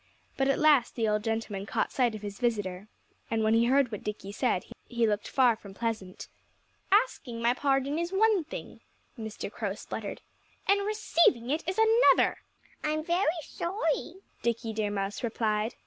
But at last the old gentleman caught sight of his visitor. And when he heard what Dickie said he looked far from pleasant. "Asking my pardon is one thing," Mr. Crow spluttered. "And receiving it is another." "I'm very sorry," Dickie Deer Mouse replied.